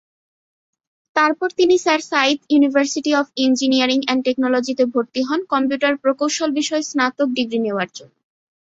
তারপর তিনি sir Syed university of engineering and টেকনোলজিতে ভর্তি হন কম্পিউটার প্রকৌশল বিষয়ে স্নাতক ডিগ্রি নেওয়ার জন্য।